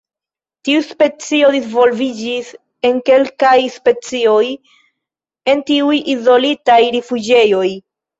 Tiu specio disvolviĝis en kelkaj specioj en tiuj izolitaj rifuĝejoj.